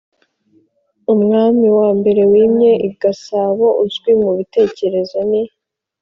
umwami wa mbere wimye i gasabo uzwi mu bitekerezo ni